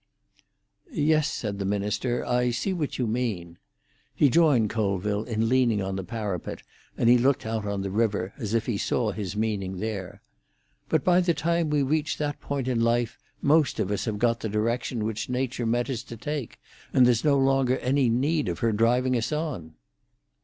"Yes," said the minister, "I see what you mean." He joined Colville in leaning on the parapet, and he looked out on the river as if he saw his meaning there. "But by the time we reach that point in life most of us have got the direction which Nature meant us to take, and there's no longer any need of her driving us on."